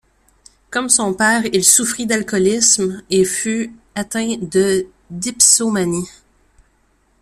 Comme son père il souffrit d'alcoolisme et fut atteint de dipsomanie.